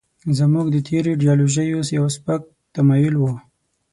زموږ د تېرو ایډیالوژیو یو سپک تمایل و.